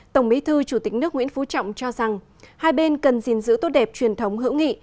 tổng bí thư chủ tịch nước nguyễn phú trọng cho rằng hai bên cần gìn giữ tốt đẹp truyền thống hữu nghị